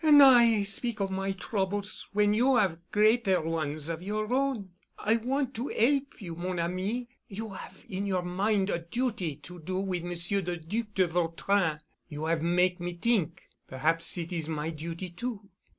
"An' I speak of my troubles when you 'ave greater ones of your own. I want to 'elp you, mon ami. You 'ave in your mind a duty to do with Monsieur the Duc de Vautrin. You 'ave make me t'ink. Perhaps it is my duty too."